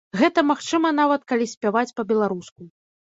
Гэта магчыма нават, калі спяваць па-беларуску.